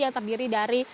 yang terdiri dari